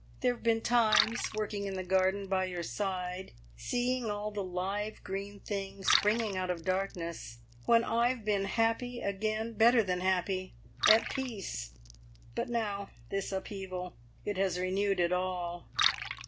There have been times working in the garden by your side, seeing all the live green things springing out of darkness when I've been happy again, better than happy at peace! But now this upheaval it has renewed it all.